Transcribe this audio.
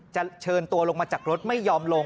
เชิญตัวลงมาจากรถไม่ยอมลง